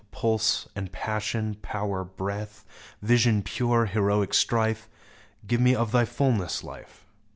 Pulse and passion, power, breath, Vision pure, heroic strife, — Give me of thy fullness. Life